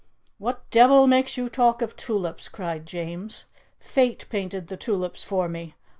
"What devil makes you talk of tulips?" cried James. "Fate painted the tulips for me.